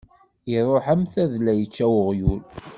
Iṛuḥ am tadla yečča uɣyul.